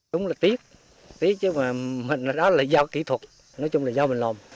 đúng là tiếc tiếc chứ mà mình nói đó là lý do kỹ thuật nói chung là lý do mình làm